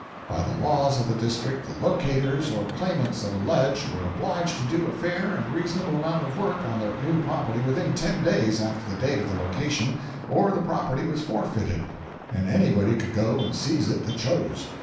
By the laws of the district, the "locators" or claimants of a ledge were obliged to do a fair and reasonable amount of work on their new property within ten days after the date of the location, or the property was forfeited, and anybody could go and seize it that chose.